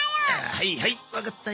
はいはいわかったよ。